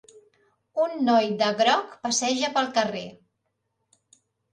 Un noi de groc passeja pel carrer.